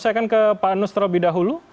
saya akan ke pak anus terlebih dahulu